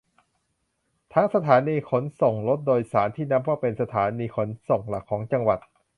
ทั้งสถานีขนส่งรถโดยสารที่นับว่าเป็นสถานีขนส่งหลักของจังหวัด